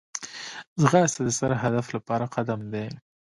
ځغاسته د ستر هدف لپاره قدم دی